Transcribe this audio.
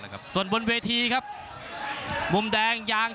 ภูตวรรณสิทธิ์บุญมีน้ำเงิน